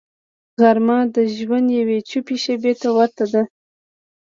غرمه د ژوند یوې چوپې شیبې ته ورته ده